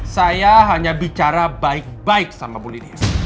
saya hanya bicara baik baik sama bu ninius